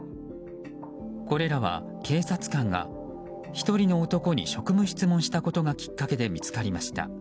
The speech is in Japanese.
これらは警察官が１人の男に職務質問したことがきっかけで見つかりました。